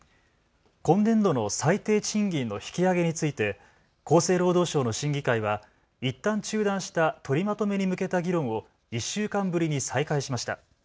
今年度の最低賃金の引き上げについて厚生労働省の審議会はいったん中断した取りまとめに向けた議論を１週間ぶりに再開しました。